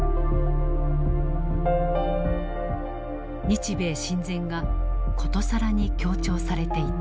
日米親善がことさらに強調されていた。